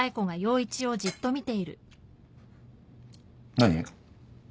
何？